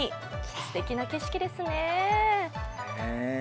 すてきな景色ですね。